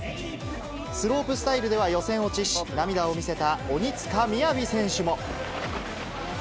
スロープスタイルでは予選落ちし、涙を見せた鬼塚雅選手も。